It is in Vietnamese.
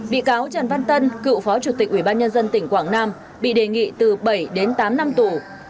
bị cáo trần văn tân cựu phó chủ tịch ubnd tp quảng nam bị đề nghị từ bảy đến tám năm tù